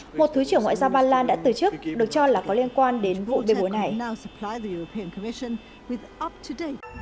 một thứ trưởng ngoại giao ba lan đã từ chức được cho là có liên quan đến vụ bê bối này